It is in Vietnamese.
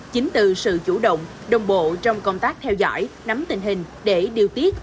chính từ sự chủ động đồng bộ trong công tác theo dõi nắm tình hình để điều tiết